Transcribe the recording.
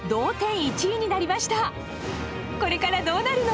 これからどうなるの？